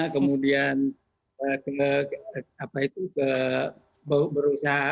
kemudian ke apa itu ke berusaha